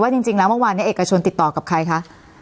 จริงแล้วเมื่อวานนี้เอกชนติดต่อกับใครคะ